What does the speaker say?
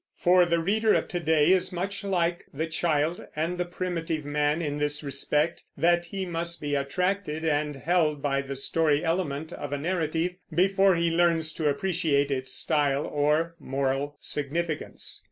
For the reader of to day is much like the child and the primitive man in this respect, that he must be attracted and held by the story element of a narrative before he learns to appreciate its style or moral significance.